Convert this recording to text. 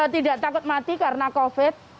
tidak takut mati karena covid